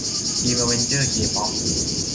ทีมอเวนเจอร์เคป๊อป